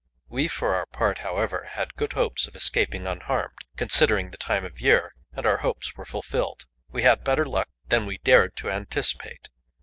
We for our part, however, had good hopes of escaping unharmed, considering the time of year, and our hopes were fulfilled. We had better luck than we dared to anticipate.